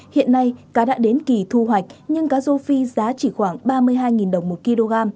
hiện nay cá đã đến kỳ thu hoạch nhưng cá rô phi giá chỉ khoảng ba mươi hai đồng một kg